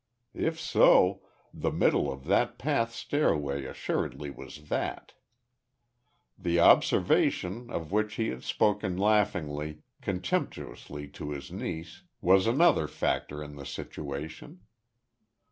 If so, the middle of that path stairway assuredly was that. The observation, of which he had spoken laughingly, contemptuously to his niece, was another factor in the situation.